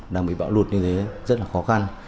đang bị bão lụt như thế rất là khó khăn